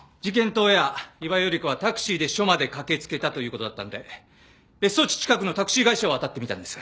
当夜伊庭頼子はタクシーで署まで駆け付けたという事だったので別荘地近くのタクシー会社を当たってみたんです。